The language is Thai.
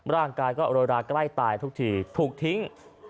ร่างกายก็โรยราใกล้ตายทุกทีถูกทิ้ง